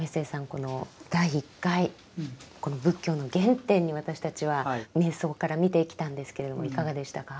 この第１回仏教の原点に私たちは瞑想から見てきたんですけれどもいかがでしたか？